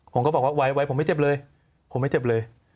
ผมก็บอกว่าไหวผมไม่เจ็บเลย